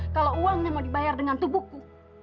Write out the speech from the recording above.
kalau uangnya mau dibayar dengan tubuhku